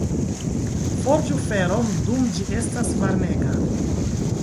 Forĝu feron dum ĝi estas varmega.